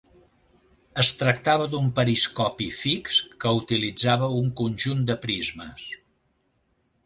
Es tractava d'un periscopi fix que utilitzava un conjunt de prismes.